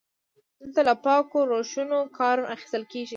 دلته له پاکو روشونو کار اخیستل کیږي.